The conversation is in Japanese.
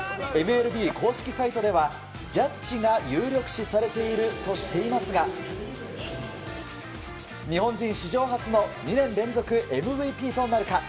ＭＬＢ公式サイトではジャッジが有力視されているとしていますが日本人史上初の２年連続ＭＶＰとなるか？